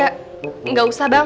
ah gak gak gak gak gak usah bang